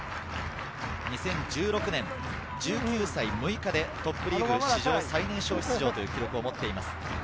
２０１６年、１９歳６日でトップリーグ史上最年少出場という記録を持っています。